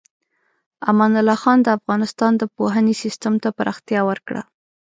امان الله خان د افغانستان د پوهنې سیستم ته پراختیا ورکړه.